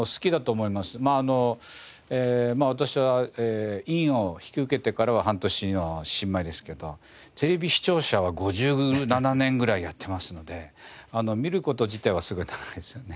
まああの私は委員を引き受けてからは半年の新米ですけどテレビ視聴者は５７年ぐらいやってますので見る事自体はすごい長いですよね。